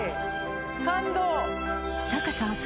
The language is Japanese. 感動！